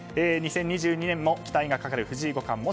２０２２年も期待がかかる藤井五冠。